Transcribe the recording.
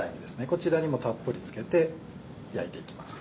こちらにもたっぷり付けて焼いていきます。